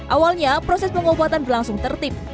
awalnya proses pengobatan berlangsung tertib